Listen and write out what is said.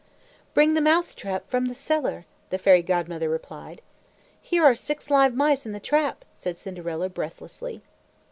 "Bring the mouse trap from the cellar," the Fairy Godmother replied. "Here are six live mice in the trap," said Cinderella breathlessly.